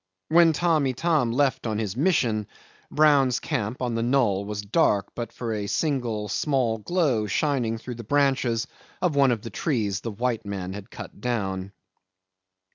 When Tamb' Itam left on his mission, Brown's camp on the knoll was dark but for a single small glow shining through the branches of one of the trees the white men had cut down.